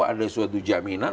ada suatu jaminan